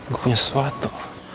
gue punya sesuatu